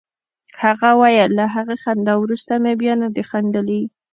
هغه ویل له هغې خندا وروسته مې بیا نه دي خندلي